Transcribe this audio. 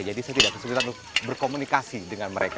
jadi saya tidak kesulitan berkomunikasi dengan mereka